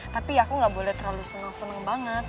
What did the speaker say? tapi aku nggak boleh terlalu seneng seneng banget